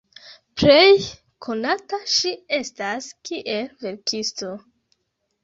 Pleje konata ŝi estas kiel verkisto.